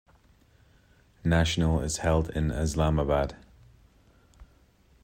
National is held in Islamabad.